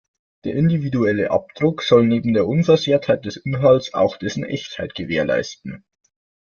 Der individuelle Abdruck soll neben der Unversehrtheit des Inhalts auch dessen Echtheit gewährleisten.